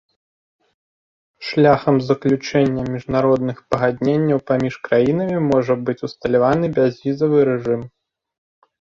Шляхам заключэння міжнародных пагадненняў паміж краінамі можа быць усталяваны бязвізавы рэжым.